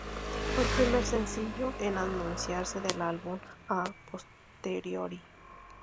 Fue el primer sencillo en anunciarse del álbum "A Posteriori".